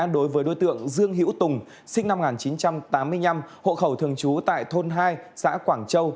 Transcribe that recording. đối với đối tượng dương hữu tùng sinh năm một nghìn chín trăm tám mươi năm hộ khẩu thường trú tại thôn hai xã quảng châu